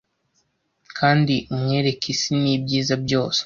Kandi umwereke isi nibyiza byose.